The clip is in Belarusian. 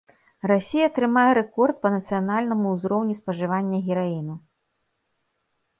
Расія трымае рэкорд па нацыянальным узроўні спажывання гераіну.